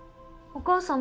お母さん？